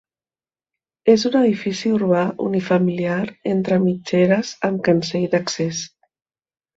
És un edifici urbà unifamiliar entre mitgeres amb cancell d'accés.